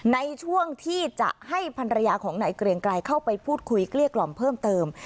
ในช่วงที่จะให้ภรรยาของนายเกรียงไกรเข้าไปพูดคุยเกลี้ยกล่อมเพิ่มเติม